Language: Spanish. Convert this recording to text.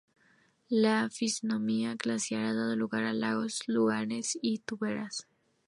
La fisonomía glaciar ha dado lugar a lagos, lagunas y turberas.